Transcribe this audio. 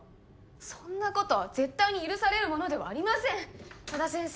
そんなことは絶対に許されるものではありません佐田先生